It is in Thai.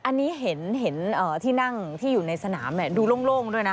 อันนี้เห็นที่นั่งที่อยู่ในสนามดูโล่งด้วยนะ